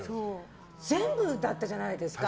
全部だったじゃないですか。